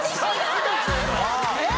えっ！